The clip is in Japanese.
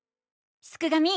すくがミ！